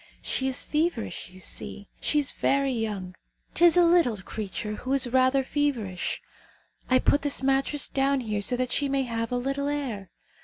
She is feverish, you see. She is very young. 'Tis a little creature who is rather feverish. I put this mattress down here so that she may have a little air.